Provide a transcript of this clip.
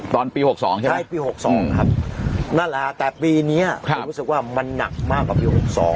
ตอนปี๖๒ใช่ไหมใช่ปี๖๒ครับนั่นแหละฮะแต่ปีนี้ผมรู้สึกว่ามันหนักมากกว่าปี๖๒